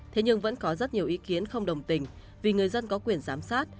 thế nhưng vẫn có rất nhiều ý kiến không đồng tình vì người dân có quyền giám sát